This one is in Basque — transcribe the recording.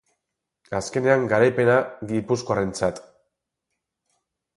Azkenean, garaipena gipuzkoarrentzat.